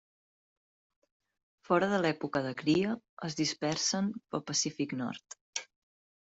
Fora de l'època de cria es dispersen pel Pacífic nord.